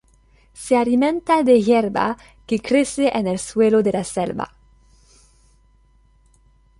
Se alimenta de hierba que crece en el suelo de la selva.